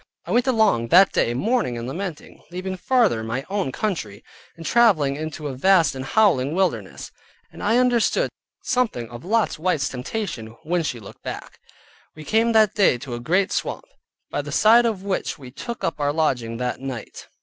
I went along that day mourning and lamenting, leaving farther my own country, and traveling into a vast and howling wilderness, and I understood something of Lot's wife's temptation, when she looked back. We came that day to a great swamp, by the side of which we took up our lodging that night.